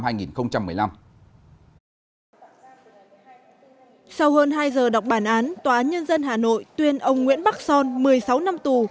sau hơn hai giờ đọc bản án tòa nhân dân hà nội tuyên ông nguyễn bắc son một mươi sáu năm tù